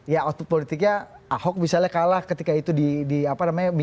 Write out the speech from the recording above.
ya output politiknya ahok misalnya kalah ketika itu di apa namanya